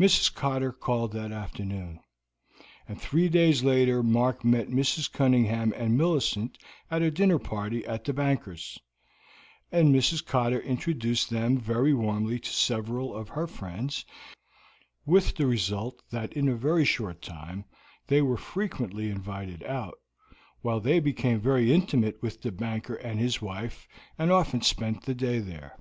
Mrs. Cotter called that afternoon, and three days later Mark met Mrs. Cunningham and Millicent at a dinner party at the banker's, and Mrs. Cotter introduced them very warmly to several of her friends, with the result that in a very short time they were frequently invited out, while they became very intimate with the banker and his wife, and often spent the day there.